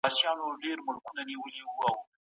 د مدرسو اصلي هدف د مسیحیت خپرول وه.